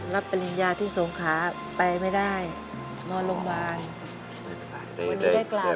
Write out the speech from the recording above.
รับปริญญาที่ทรงค้าไปไม่ได้นอนโรงพยาบาล